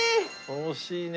惜しいね。